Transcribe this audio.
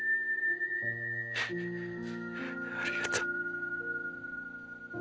ありがとう。